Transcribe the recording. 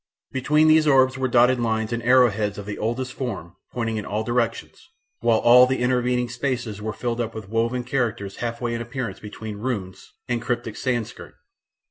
Between these orbs were dotted lines and arrow heads of the oldest form pointing in all directions, while all the intervening spaces were filled up with woven characters half way in appearance between Runes and Cryptic Sanskrit.